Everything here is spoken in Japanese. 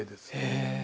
へえ！